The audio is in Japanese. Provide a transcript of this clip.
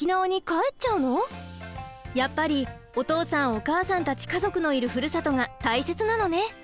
やっぱりお父さんお母さんたち家族のいるふるさとが大切なのね。